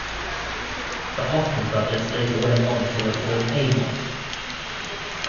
The Hoffman brothers later went on to reform Amon.